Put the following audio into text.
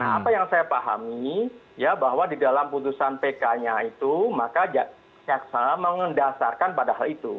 nah apa yang saya pahami ya bahwa di dalam putusan pk nya itu maka jaksa mengendasarkan pada hal itu